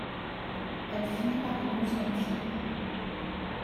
Elle finit par y consentir.